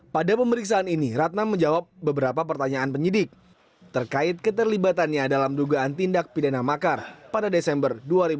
pada pemeriksaan ini ratna menjawab beberapa pertanyaan penyidik terkait keterlibatannya dalam dugaan tindak pidana makar pada desember dua ribu dua puluh